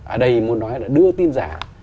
ở đây muốn nói là đưa tin giả